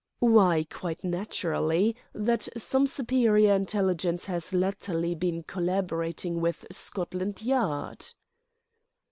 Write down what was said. "Why, quite naturally, that some superior intelligence has latterly been collaborating with Scotland Yard."